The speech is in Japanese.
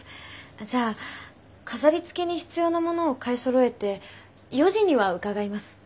じゃあ飾りつけに必要なものを買いそろえて４時には伺います。